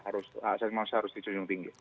hak asasi manusia harus di tunjuk tinggi